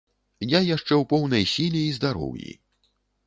Я яшчэ ў поўнай сіле і здароўі.